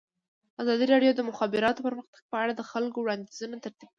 ازادي راډیو د د مخابراتو پرمختګ په اړه د خلکو وړاندیزونه ترتیب کړي.